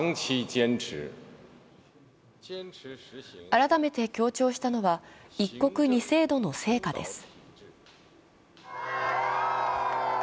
改めて強調したのは一国二制度の成果です。